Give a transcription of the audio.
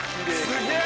すげえ！